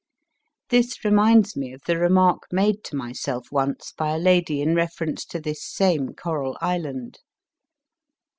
This reminds me of the remark made to myself once by a lady in reference to this same Coral Island.